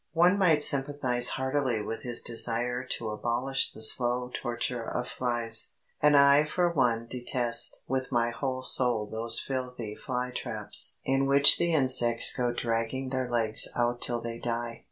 One might sympathise heartily with his desire to abolish the slow torture of flies, and I for one detest with my whole soul those filthy fly traps in which the insects go dragging their legs out till they die.